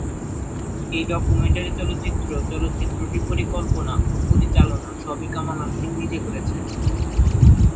এই ডকুমেন্টারি চলচ্চিত্র চলচ্চিত্রটির পরিকল্পনা, ও পরিচালনা সবই কামাল আহমেদ নিজে করেছেন।